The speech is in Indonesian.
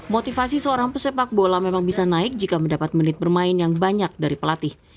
motivasi seorang pesepak bola memang bisa naik jika mendapat menit bermain yang banyak dari pelatih